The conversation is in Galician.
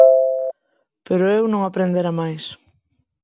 Pero eu non aprendera máis.